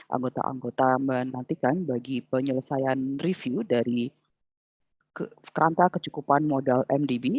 anggota anggota menantikan bagi penyelesaian review dari kerangka kecukupan modal mdb